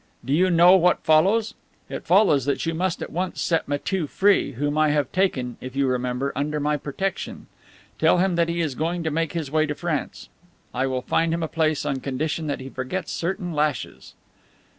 Do you know what follows? It follows that you must at once set Matiew free, whom I have taken, if you remember, under my protection. Tell him that he is going to make his way in France. I will find him a place on condition that he forgets certain lashes."